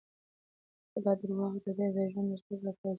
خو دا دروغ د ده د ژوند د ژغورلو لپاره ضروري وو.